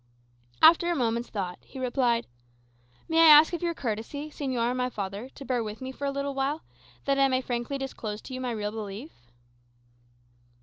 After a moment's thought, he replied, "May I ask of your courtesy, señor and my father, to bear with me for a little while, that I may frankly disclose to you my real belief?"